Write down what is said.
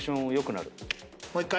もう１回。